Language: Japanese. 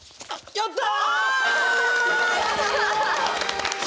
やった！